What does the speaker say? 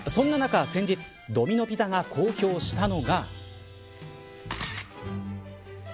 そんな中、先日のドミノ・ピザが公表したのが。